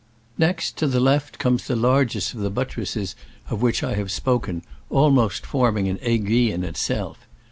Next, to the left, comes the largest of the buttresses of which I have spoken, almost forming an aiguille in itself.